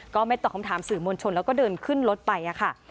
ก็ไม่ตอบคำถามสื่อมวลชนแล้วก็เดินขึ้นรถไปค่ะ